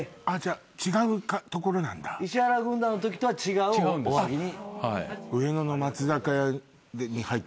石原軍団のときとは違うおはぎに。